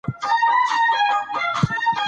اې الله ! ستا لپاره حمدونه دي ته د آسمانونو، ځمکي